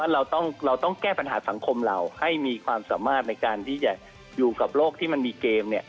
เราต้องแก้ปัญหาสังคมเราให้มีความสามารถในการที่จะอยู่กับโลกที่มันมีเกม